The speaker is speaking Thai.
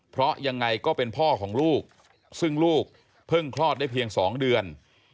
เพราะยังไงก็เป็นพ่อของลูกซึ่งลูกเพิ่งคลอดได้เพียง๒เดือน